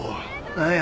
何や？